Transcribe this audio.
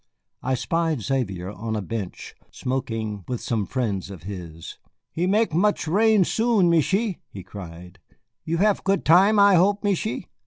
I spied Xavier on a bench smoking with some friends of his. "He make much rain soon, Michié," he cried. "You hev good time, I hope, Michié."